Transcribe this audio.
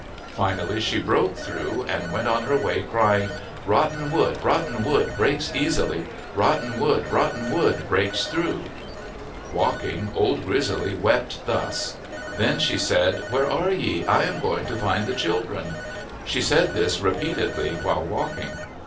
Finally she broke through and went on her way crying :" Rotten wood, rotten wood breaks easily. Rotten wood, rotten wood breaks through." Walking, Old Grizzly wept thus. Then she said, "Where are ye ? I am going to find the children." She said this repeatedly while walking.